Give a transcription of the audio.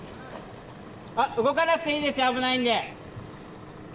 動かなくていいですよ危ないんで。